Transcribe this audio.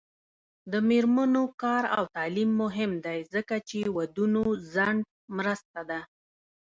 د میرمنو کار او تعلیم مهم دی ځکه چې ودونو ځنډ مرسته ده